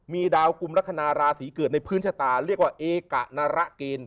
มีดาวกลุ่มลักษณะราศีเกิดในพื้นชะตาเรียกว่าเอกะนระเกณฑ์